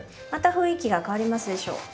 また雰囲気が変わりますでしょ？